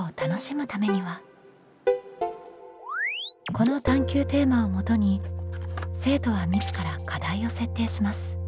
この探究テーマをもとに生徒は自ら課題を設定します。